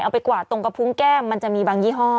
ไปกวาดตรงกระพุงแก้มมันจะมีบางยี่ห้อ